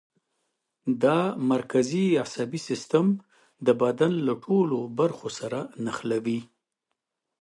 دا مرکزي عصبي سیستم د بدن له ټولو برخو سره نښلوي.